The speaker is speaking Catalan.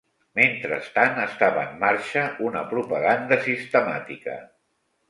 Mentrestant, estava en marxa una propaganda sistemàtica